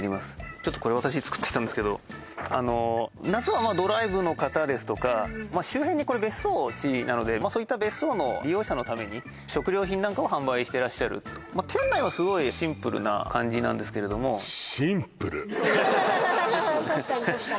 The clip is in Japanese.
ちょっとこれ私作ってきたんですけど夏はドライブの方ですとか周辺にこれ別荘地なのでそういった別荘の利用者のために食料品なんかを販売してらっしゃる店内はすごいシンプルな感じなんですけれどもですよね